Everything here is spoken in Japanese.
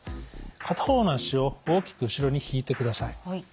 片方の足を大きく後ろに引いてください。